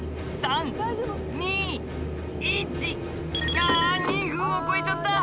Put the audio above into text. あ２分を超えちゃった。